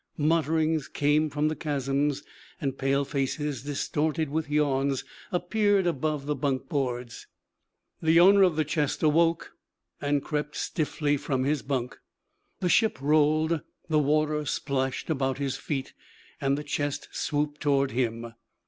Mutterings came from the chasms, and pale faces, distorted with yawns, appeared above the bunk boards. The owner of the chest awoke and crept stiffly from his bunk; the ship rolled, the water splashed about his feet, and the chest swooped toward him.